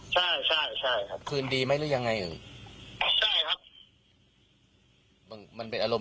ใช่ครับคืนดีไหมหรือยังไงมันเป็นอารมณ์ชั่ววูบอ่ะเนาะใช่ไหม